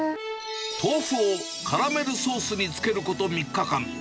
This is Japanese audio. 豆腐をカラメルソースに漬けること３日間。